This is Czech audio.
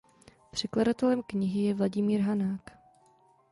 Překladatelem knihy je Vladimír Hanák.